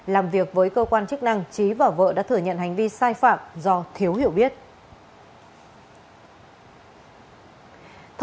làm việc với cơ quan chức năng trí và vợ đã thừa nhận hành vi sai phạm do thiếu hiểu biết